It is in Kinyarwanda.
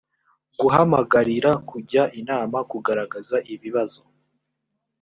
guhamagarira kujya inama kugaragaza ibibazo